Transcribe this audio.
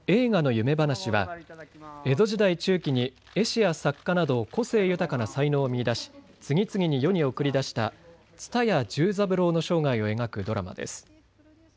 夢噺は江戸時代中期に絵師や作家など個性豊かな才能を見いだし次々に世に送り出した蔦屋重三郎の生涯を描くドラマです。